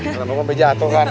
kalau nggak mau gue jatuh kan